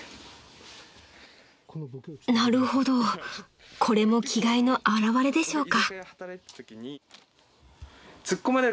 ［なるほどこれも気概の表れでしょうか］